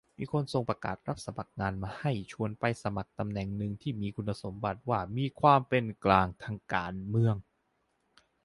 มีคนส่งประกาศรับสมัครงานมาให้ ชวนไปสมัครในตำแหน่งหนึ่งที่มีคุณสมบัติว่า "มีความเป็นกลางทางการเมือง"